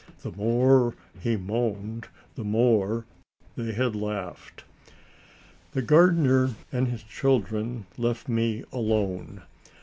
The more he moaned, the more they had laughed. The gardener and his children left me alone.